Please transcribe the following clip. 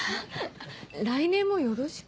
来年もよろしく？